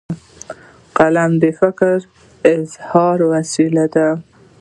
قلم د فکر اظهار وسیله ده.